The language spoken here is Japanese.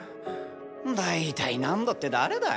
大体ナンドって誰だよ？